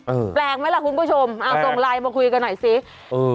แปลกไหมล่ะคุณผู้ชมอ่าส่งไลน์มาคุยกันหน่อยสิเออ